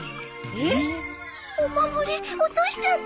えっ！？